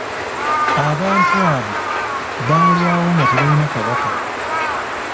Abantu abo baalwawo nga tebalina kabaka.